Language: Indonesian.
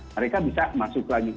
mereka bisa masuk lagi